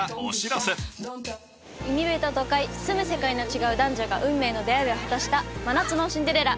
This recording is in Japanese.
海辺と都会住む世界の違う男女が運命の出会いを果たした「真夏のシンデレラ」。